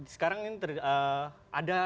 sekarang ini ada